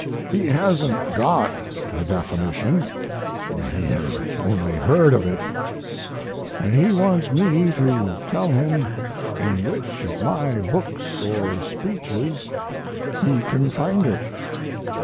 He hasn't got the definition he has only heard of it, and he wants me to tell him in which one of my books or speeches he can find it.